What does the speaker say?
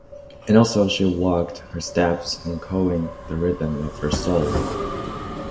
And so, she walked, her steps echoing the rhythm of her soul.